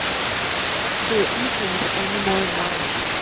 There isn't any more wine.